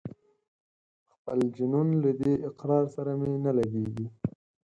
پر خپل جنون له دې اقرار سره مي نه لګیږي